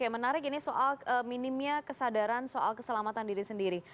menarik ini soal minimnya kesadaran soal keselamatan diri sendiri